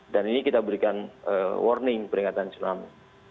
dan ini kita berikan warning peringatan tsunami